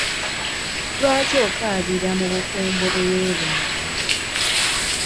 Lwaki okaabira mu bufumbo bwe werondera?